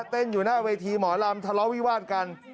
อยู่หน้าเวทีหมอลำทะเลาะวิวาดกัน